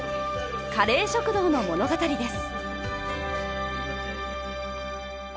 カレー食堂の物語です。